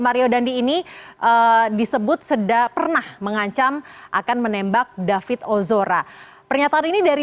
mario dandi ini disebut sudah pernah mengancam akan menembak david ozora pernyataan ini dari